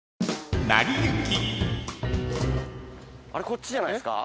こっちじゃないですか？